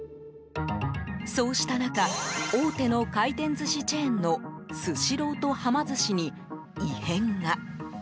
そうした中大手の回転寿司チェーンのスシローとはま寿司に異変が。